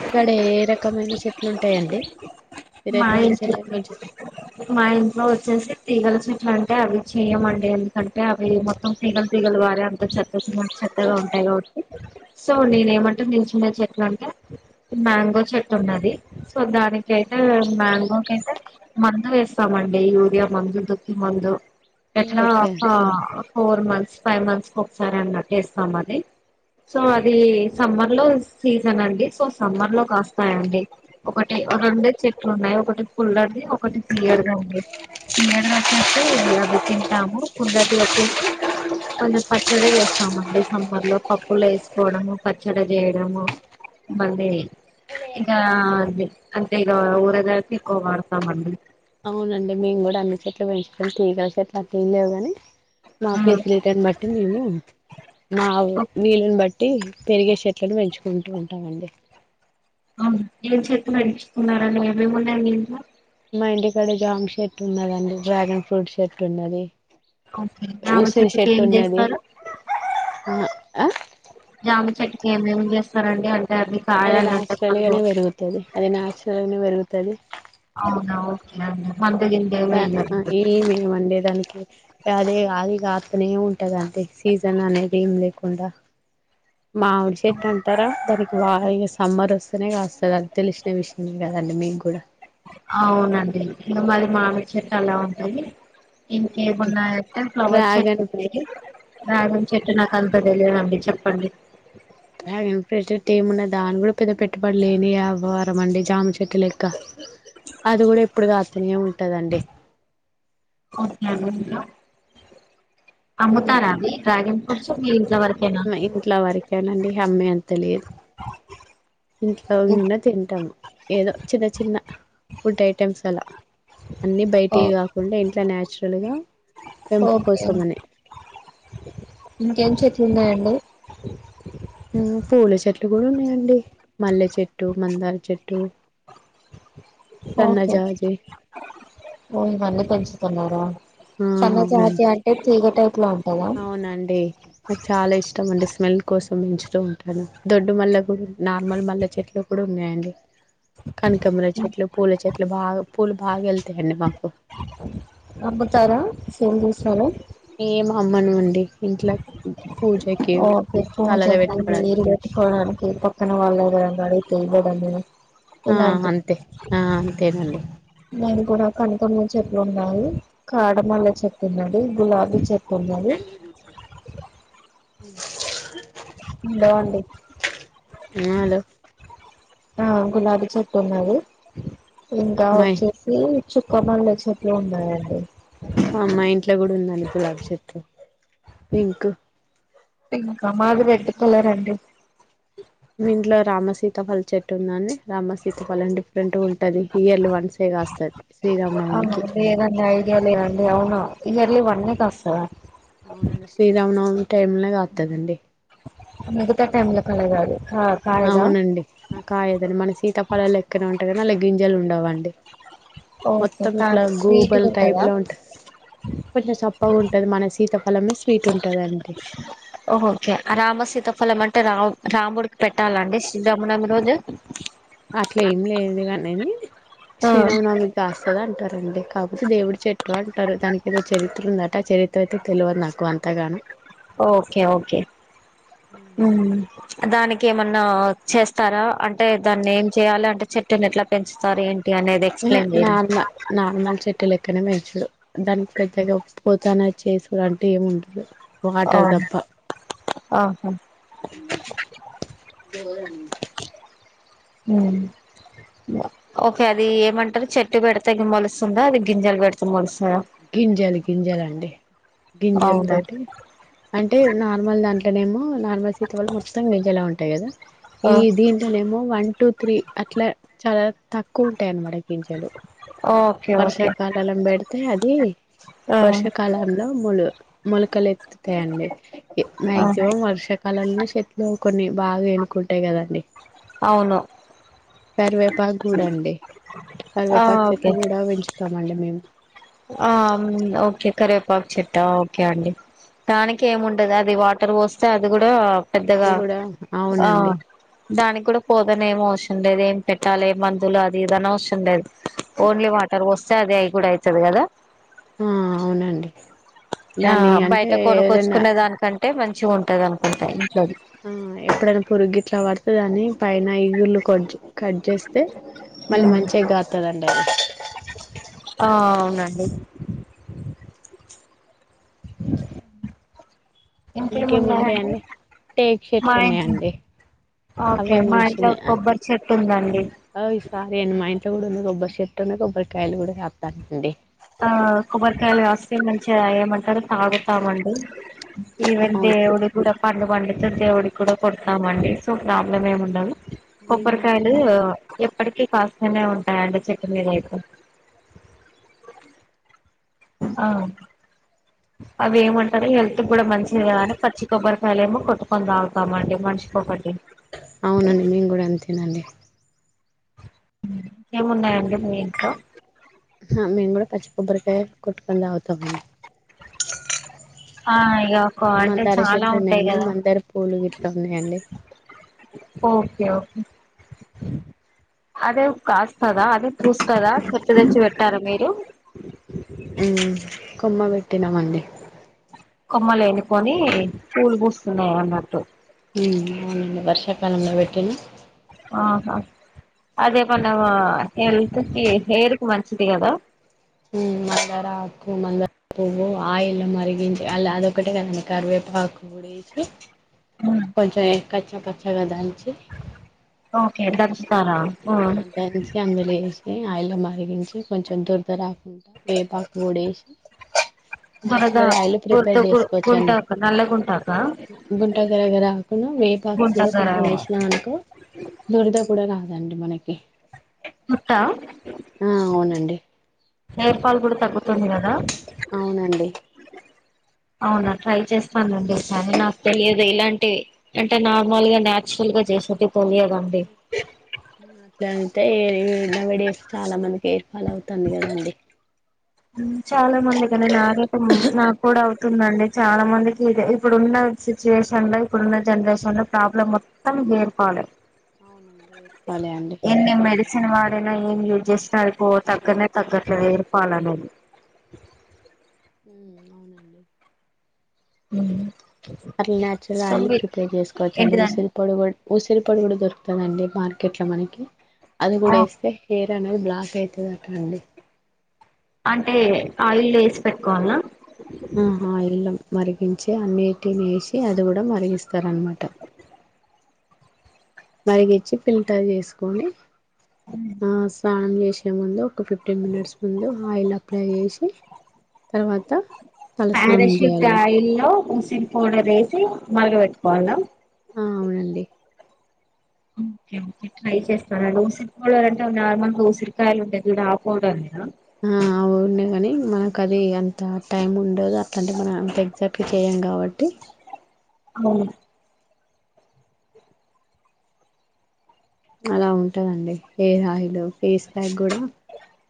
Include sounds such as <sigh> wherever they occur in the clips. ఇక్కడ ఏ రకమైన చెట్లు ఉంటాయండి? మీరు మా ఎటువంటి ఇంట్లో సెట్లు పెంచు మా ఇంట్లో వచ్చేసి తీ ఇట్ల అంటే అవి చేయమండి. ఎందుకంటే, అవి మొత్తం తీగలు తీగలు పా చెత్తన్నన చెత్తగా ఉంటాయి కాబట్టి సో నేనేమంటాను ఈ చిన్న చెట్లు అంటే మ్యాంగో చెట్టున్నది. సో దానికయితే మ్యాంగో కయి మందు వేస్తామండి యూరియా మందు దుతి మందు ఎట్లా okay four months five months కు ఒకసారి అన్నట్స్తాం అది సో అది సమ్మర్ లో సీజన్ అండి సో సమ్మర్ లో కాస్తాయండి ఒకటి రెండడు చెట్లు ఉన్నాయి ఒకటి ఫుల్లర్ది ఒకటి తీయది తీయది అవి తన్ టాము ఫులటి వచ్చసి కొంచం పచ్చడి చేస్తామండి నంబర్ లో పప్పులు వేసుకోవడము పచ్చడి చేయడము మళ్ళీ ఇక అంటే ఇక ఊరేదరిపి ఎక్కువ వాడతామండి అవునండి మేము కూడా అన్ని చెట్లు పెంచుకొని తీగల చెట్లు అట్ ఇల్లేవు కాని మా ఉమ్. ఫెసిలిటీర్ని బట్టి మేము మా వీళని బట్టి పెట్టి పెరిగే చెట్లను పెంచుకుంటూ ఉంటామండి అవును ఏం చేత నడిపుకున్నారని ఏమేమిన్నాయయి ఇంట్లో మా ఇంటిక్కడ జాంక్ షర్ట్ ఉన్నదండి డ్రాగన్ ఫ్రూట్ షర్ట్ ఉన్నది ఓకే జామ ఉసిరి చెట్టుకి చెట్టు ఏం ఉన్నది చేస్తారు ఆ ఆమె చెట్కి ఏమేమి చేస్తారండి అ మీ అది కాయాలంట నాచురల్ గానే పెరుగుతది అది నాచురల్ గానే పెరుగుతది అవునవు ఆ ఈ మేము అండేదానికి అదే రాళీగా అతనే ఉంటదంటడి సీజన్ అనేది ఏం లేకుండా మామిడి చెట్టు అంటారా దానికి వా ఇక సమ్మర్ వస్తేనే కాస్తుంది అది తెలిసిన విషయమే కదండి మీకు కూడా అవునండి ఇ మళీ మామి చెట్ అలా ఉంటాయి ఇంకేమిన్నాయంటే ఫ్లవర్ చెట్టు డ్రాగన్ ఉన్నాయి రాజ చెట్టు నాకు అంత తెలియదండి చెప్పండి ఏమున్నా దాని కూడా పెద్ద పెట్టుబడిలేని ఆవారం అండి జామ చెట్టు లెక్క అది కూడా ఇప్పుడు కాస్తనే ఉంటుంది ఓకే అమ్మతారది డ్రాగన్ ఫ్రూట్స్ మీ వరకేనా ఇంట్లో వరకేనండి అమ్మా అంత తెలియదు ఇంట్లో ఉన్నా తింటాము ఏదో చిన్న చిన్న ఫుడ్ ఐటెమ్స్ అలా అన్ని ఓ బయట కాకుండా ఇంట్లో న్చురల్ గా పెంపు ఓకే కోసమని ఇంకేం చెట్లు ఉన్నాయండి పూల చెట్లు కూడా ఉన్నాయండి మల్లె చెట్టు మందార చెట్టు ఓకే సన్నజాజే ఓ ఇ మన్నీ పెంచుతున్నారా ఆ సన్నజాతి అవునండి అంటే తీగటై అవునండి నాకు చాలా ఇష్టం అండి స్మెల్ కోసం మించుతూ ఉంటాను దొడ్డు మల్లా కూడా నార్మల్ మల్ల చెట్లు కూడా ఉన్నాయండి కనకమ్మల చెట్లు పూల చెట్లు బాగా పూలు బాగా వెళ్తాయండి మాకు అమ్ముతారా సేల్ తీసారు ఏం అమ్మను ఉండి ఓ పూజ తలలో వేరు పెట్టుకోవడానికి పెట్టుకోవడానికి పక్కన వాళ్ళ విరంగాల తెయబడము ఆ ఇలాంటి అంతే ఆ అంతేనండి ఇ కూడా కనకాంబరం చెట్లు ఉన్నాయి కాడమల్ల చెట్లు ఉన్నాండి గులాబీ చెట్ <unintelligible> <unintelligible> బోగుండి హలో ఆ గులాబీ చెట్టు ఉన్నది ఇంకా మై వచ్చేసి చుక్కమల్లె చెట్లు ఉన్నాయండి ఆ మా ఇంట్లో కూడా ఉన్నాలి గులాబి చెట్టు పింక్ అకామ్ మా అది రెడ్ కలర్ అండి మీ ఇంట్లో రామ సీత ఫలి చెట్టు ఉందని రామ సీతా ఫలం డిఫరెంట్గా ఉంటు ఉంటది ఇయర్లు వన్సేగాస్తది శ్రీరామనవమికి అ అవును ఇ అల్ వన్క్స్తద అవునండి శ్రీరామనవమి టైంనే కాతుదండి మగతా టైమ్ లో కాల కాదు అవునండి ఆ కాయదని మన సీతాపలాాలు ఎక్కన ఉంటాయి కనీ అలా గింజలు ఉండవండి ఓకే మొత్తం ఇట్లా కానీ స్వీట్గా గూగుల్ టైప్ ఉంటదా లో ఉంటుంది కొంచెం చప్పగా ఉంటుది మన సీత అలమే స్ట్ ఉంటుందండి ఓహఓకే రామసీతఫలం అంటే రా రాముడుకి పెట్టాలండి శ్రీరాములం రోజు అట్లే ఏం లేదు కానీని ఆ శ్రీరామనామికి కాస్తద అంటారండి కాకపోతే దేవుడి చెట్టు అంటే టారు దానికి ఏదో చరిత్ర ఉందట చరిత్ర అయితే తెలియదు నాకు అంతగాన ఓకే ఓకే దానికి ఏమన్నా చేస్తారా అంటే అంటే దాన్ని ఏం చెయ్యాలి అంటే చెట్టుని ఎట్లా పెంచుతారు ఏంటి అనేది ఎక్స్ప్లెయిన్ చేయ ట్ట లెక్కనే వేయించడు దానికి పెద్దగా పోతాన చేసుడు అంటే ఏమి ఉండదు వాటర్ ఆఓ తప్ప ఆహా బ అ ఓకే అది ఏమంటారు చెట్టు పెడితే మలుస్తుందా అది గింజాలు పెడతే మొలుస్తు గింజలు గింజలు అండి గింజలు అవునా తోటి అంటే నార్మల్ దాంట్లో టనేమో నార్మల్ సీత వళ్ల్ మొత్తంగా నజజలా ఉంటాయి కదా ఈ దీంట్లోనేో వంట టూ త్రీ అట్లా చాలా తక్కువ ఉంటాయి అన్నమాటకి కిించలు ఓకే ఓకే వర్షాకాలాల పెడితే అది వర్షాకాలంలో ములు మొలకలు ఎత్తుతాయిడి మా్యాక్సిమం వర్షాకాలంలోనే చెట్తులు కొన్ని బాగా ఎనుకుంటాయి కదండి అవును పెరివేపాకు కూడాడ అండి సర్వే పక్షట్లు ఓకే కూడా పెంచుతామండి మేము ఆ ఓకే కరివేపాక్ చెట్టా ఓకే అండి దానికి ఏముండదు అది వాటర్ పోస్తే అది కూడా అది పెద్దగా కూడా ఆ అవునండి దానికి కూడా పోదానే ఏమవు అవసరం లేదు ఏం పెట్టాలి ఏ మందులు అది ఇదన అవసరం లేదు ఓన్లీ వాటర్ వస్తే అది అవి కూడా అయి ఆ అవునండి ఆ దాని అంటే బయట ఏదైనా కొనుక్కొచ్చుకునే దానికంటే మంచి మంచి ఉంటుది అనుకుంటయి ఇం ఆ ఎప్పుడైనా పురు్ట్లా పడుతేదాని పైన ఈగుళ్ కొ కట్ చేస్తే మళ్ళీ మంచిగా కాతుదడిది అడి ఇంకేమున్నాయండి ఇంకేముంటాయండి టేక్ మా చెట్లు ఇంట్లో ఉన్నాయండి ఓకే అవే మా ఇంట్లో మనుషన్ కొబ్బరి చెట్టు ఉందండి అ సార అన మా ఇంత కూడాడుంద గబ కొబషట్టుక కొబ్బరికాయలు కూడా ఆపుతాండి ఆ క్కర తాగుతామండి ఈవెన్ అవును దేవుడు కూడా పండు పండుతు దేవుడికి కూడా కొడతామండి సో ప్రాబ్లం ఏమి ఉండదు మేము కూడా కొబ్బరకాయలు ఇప్పటికీ కాస్తనే ఉంటాయండి చెట్టు మీద అయితే ఆ అవి ఏమంటారు హెల్త్ కూడా మంచిది కానీ పచ్చి కొబ్బరి మళ్ళ ఏమో కొట్టుకొని తాగుతామండి మనిషి ఒకటి అవునండి మేము కూడా అంతేనండి ఇక ఏమున్నాయండి మీ ఇంట్లో మేము కూడా పచ్చి కొబ్బరికాయ కొట్టుకొని తాగుతామండి హాయ్ మందార చెట్లు ఉన్నాయండి మందర పూలు గిట్లా ఉన్నాయండి ఓకే ఓకే అదే కాస్తదా అదే పూస్తదా చెట్టు తెచ్చి పెట్టారా మీరు హుమ్ కొమ్మ బెట్టినమండి కొమ్మలేనుకొని పూలు పూస్తున్నాయి అన్నట్టు హ్మ్ అవునండి వర్షాకాలంలో పెట్టినా ఆహా అదే మన హెల్త్ కి హెయిర్ కు మంచిది కదా హ్మ్ మందార ఆకు మందారపువ్వు ఆయిల్లో మరిగించి అల్ అదొకటే కాదండి కరివేపాకు కూడా ఎసి కొంచెం కచ్చా పచ్చగా దంచి ఓకే దంచి ఆ దంచి అందులో వేసి ఆయిల్లో మరి వేగించి కొంచెం దురద రాకు వేపాకు కూడా వేసి దురద నేచురల్ ఆయిల్ గుర్త ప్రిపేర్ గు చేసుకోవచ్చండి గుంటాక నల్ల గుంటాక గుంటగరగరా ఆకు వేపాకు కూడా గుంటకరా కొంచెం వేసినా అనుకో దురద కూడా రాదండి మనకి <unintelligible> ఆ అవునండి హేర్ ఫాల్ కూడా తగ్గుతుంది కదా అవునండి అవునా ట్రై చేస్తానండి కానీ నాకు తెలియదు ఇలాంటివి అంటే నార్మల్ గా నాచురల్ గా చేసేటి గంతే ఈ నౌ ఎ డేస్ చాలా మందికి అలా అవుతంది కదండి చాలా మంది కానీ నాది నాకు కూడా అవుతుంది అవుతుందండి చాలా మందికి ఇ ఇప్పుడున్న సిచ్యువేషన్ ల ఇప్పుడున్న జనరేషన్ లో ప్రాబ్లం మొత్తం హెయిర్ ఫాలే ఫాలే అండి మెడిసిన్ వాడినా ఏం యూజ్ చేస్తున్నా తగ్గనే తగ్గట్లేదు హెయిర్ ఫాలనేది ఉమ్మ్ అవునండి మ్మ్ అట్లా నాచురల్ ఆయిల్ ప్రిపేర్ చేసుకోవచ్చు అండి ఏంటిదండి ఉసిరిపొడి కూడ్ ఉసిరిపొడి కూడా దొరుకుతదండి మార్కెట్ లో మనకి అది కూడా వేస్తే హెయిర్ దనేది బ్లాక్ అయితుదట అండి అంటే ఆయిల్ వేసి పెట్టుకోవాల్నా అహ ఆయిల్లో మరిగించి అన్నీటిని వేసి అది కూడా మరిగిస్తారు అన్మాట మరిగిచ్చి ఫిల్టర్ చేసుకోని ఆ స్నానం చేసే ముందు ఒక ఫిఫ్టీన్ మినిట్స్ ముందు ఆయిల్ అప్లై చేసి తర్వాత తలస్నానం పారాషూట్ చేయాలని ఆయిల్లో ఉసిరి పౌడర్ వేసి మరగపెట్టుకోవాల్నా ఆ అవునండి <unintelligible> ఉసిరి పౌడర్ అంటే నార్మల్ గా ఉసిరికాయలు ఉంటాయి జూడు ఆ పౌడర్నేనా మ్మ్ అవు ఉండేగాని ఇంగ కానీ అంత టైం ఉండదు అట్లాంటే మనం అంత ఎగ్జాక్ట్ గా చేయం కాబట్టి హ్మ్ అలా ఉంటదండి హెయిర్ ఆయిల్ ఫేస్ ప్యాక్ కూడా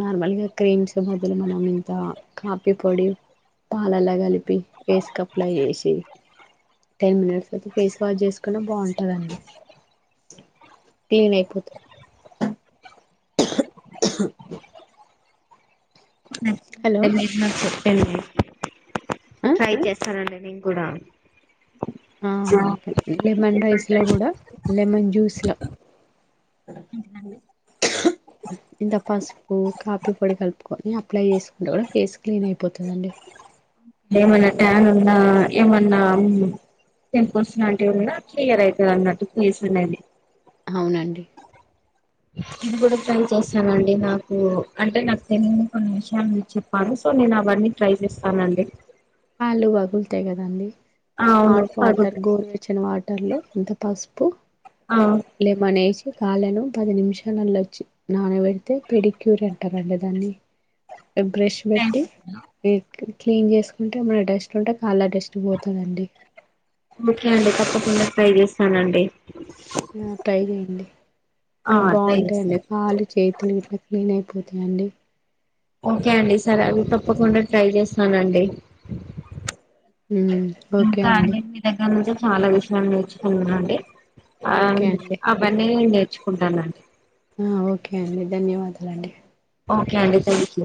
నార్మల్ గా క్రీమ్స్ బదులు మనం ఇంత కాఫీ పొడి పాలల్లో కలి పి ఫేస్ కి అప్లై చేసి టెన్ మినిట్స్ తవాత ఫేస్ వాష్ చేసుకున్నా బాగుంటదండి టీన్ అయిపోతు హలో నచ్చిందండి మీరు నాకు చెప్పేది ఆ ట్రై చేస్తానండి నేను కూడా ఆ ఓకే లెమన్ రైస్ లో కూడా లెమన్ జ్యూస్ లో ఏంటండీ ఇంత పసుపు కాపీ పొడి కలుపుకొని అప్లై చేసుకుంటే కూడా ఫేస్ క్లీన్ అయిపోతుందండి ఏమన్నా ట్యాన్ ఉన్నా ఏమన్నా టెంపుల్స్ లాంటివిన్నా క్లియర్ అవుతది అన్నట్టు చేస్తుందండి అవునండి ఇది కూడా ట్రై చేస్తాను అండి నాకు అంటే నాకు తెలియని కొన్ని విషయాలు చెప్పాను సో నేను అబట్ ట్రై చేస్తానండి కాలు పగులుతాయి కదండీ అవును హాట్ వాటర్ పగుతు గోరువెచ్చిన వాటర్లు ఇంత పసుపు ఆ లెమన్ ఏసీ కాలను పది నిమిషాలలో వచ్చి నాన పెడితే పెడి క్యూర్ అంటారండి దాన్ని బ్రష్ పెట్టి క్లీన్ చేస్ టే ఏమన డస్ట్ ఉంటే కాళ్ళ డస్ట్ పోతదండి ఓకే అండి తప్పకుండా ట్రై చేస్తానండి ఆ ట్రై చేయండి ఆ అవి ట్రై బాగుంటాయండి చేస్తాను కాలు చేతులు ఇట్లా క్లీన్ అయి పోతదండి ఓకే అండి సరే అవి తప్పకుండా ట్రై చేస్తానండి ఇంకా అండి మీ దగ్గర నుంచి చాలా విషయాలు నేర్చుకున్నానండి ఆ ఓకే అండి అవన్నీ నేను నేర్చుకుంటానండి ఆ ఓకే అండి ధన్యవాదాలండి ఓకే అండి థ్యాంక్ యూ